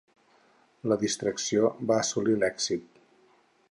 La distracció va assolir l'èxit.